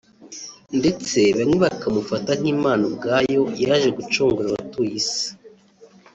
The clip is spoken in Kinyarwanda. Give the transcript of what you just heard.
ndetse bamwe bakamufata nk’Imana Ubwayo yaje gucungura abatuye Isi